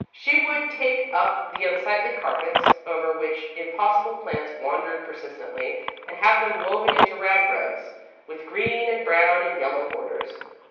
She would take up the unsightly carpets, over which impossible plants wandered persistently, and have them woven into rag rugs, with green and brown and yellow borders.